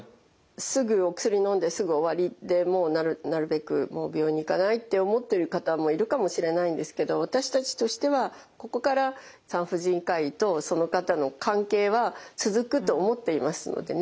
すぐお薬のんですぐ終わりでもうなるべく病院に行かないって思ってる方もいるかもしれないんですけど私たちとしてはここから産婦人科医とその方の関係は続くと思っていますのでね。